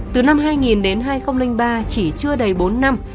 từ năm hai nghìn đến hai nghìn ba chỉ chưa đầy bốn năm